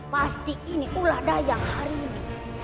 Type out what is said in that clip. pasti ini ulah daya hari ini